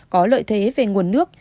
có lợi thế về nguồn nước